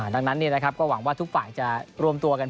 ดังนั้นก็หวังว่าทุกฝ่ายจะรวมตัวกัน